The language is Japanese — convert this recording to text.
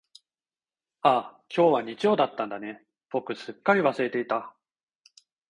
ああ、今日は日曜だったんだね、僕すっかり忘れていた。